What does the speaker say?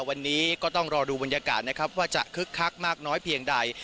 วันนี้ก็ต้องรอดูบรรยากาศนะครับว่าจะคึกคักมากน้อยเพียงใด